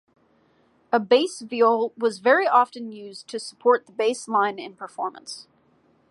A bass viol was very often used to support the bass line in performance.